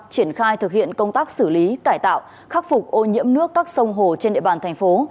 triển khai thực hiện công tác xử lý cải tạo khắc phục ô nhiễm nước các sông hồ trên địa bàn thành phố